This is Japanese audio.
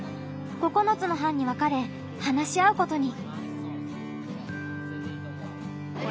９つの班に分かれ話し合うことに。